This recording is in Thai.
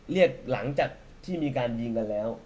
หลังจากที่มีการยิงกันแล้ว